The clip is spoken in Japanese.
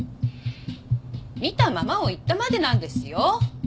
見たままを言ったまでなんですよ。